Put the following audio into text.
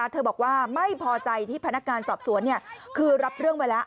เธอบอกว่าไม่พอใจที่พนักงานสอบสวนคือรับเรื่องไว้แล้ว